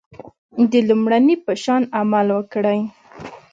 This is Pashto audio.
د لومړني په شان عمل وکړئ.